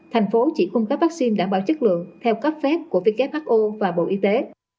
thành phố chỉ cung cấp vaccine đảm bảo chất lượng theo cấp phép của who và bộ y tế